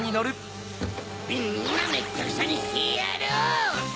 みんなめちゃくちゃにしてやる！